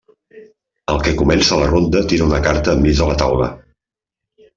El que comença la ronda tira una carta enmig de la taula.